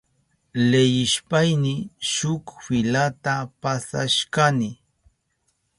Leyishpayni shuk filata pasashkani.